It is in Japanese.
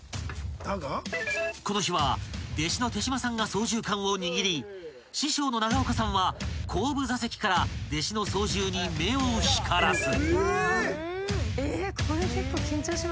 ［この日は弟子の手島さんが操縦かんを握り師匠の永岡さんは後部座席から弟子の操縦に目を光らす］